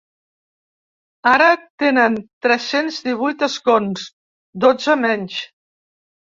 Ara tenen tres-cents divuit escons, dotze menys.